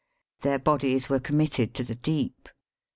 Their bodies were committed to the deep.